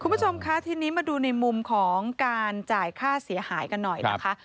คุณผู้ชมคะทีนี้มาดูในมุมของการจ่ายค่าเสียหายกันหน่อยนะคะ